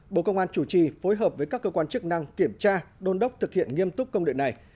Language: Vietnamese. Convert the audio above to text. bộ công an chủ trì phối hợp với các cơ quan chức năng kiểm tra đôn đốc thực hiện nghiêm túc công điện này